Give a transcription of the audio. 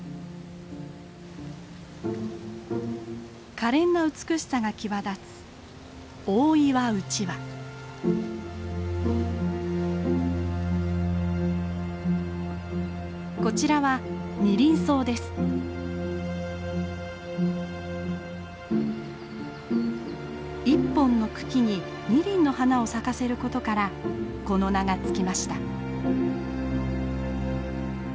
可憐な美しさが際立つこちらは１本の茎に２輪の花を咲かせることからこの名が付きました。